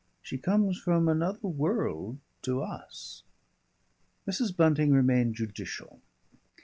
She comes from another world to us." Mrs. Bunting remained judicial.